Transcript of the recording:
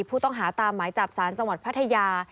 ผู้ต้องหาตามหมายจับสารจังหวัดพัทยา